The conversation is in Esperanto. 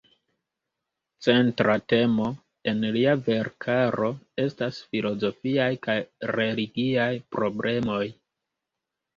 Centra temo en lia verkaro estas filozofiaj kaj religiaj problemoj.